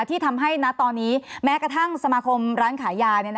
ที่ทำให้ตอนนี้แม้กระทั่งสมาคมร้านขายยา